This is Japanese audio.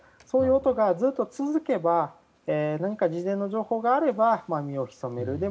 そういう音がずっと続けば事前の情報があれば身をひそめる。